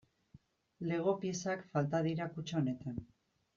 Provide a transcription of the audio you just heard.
Lego piezak falta dira kutxa honetan.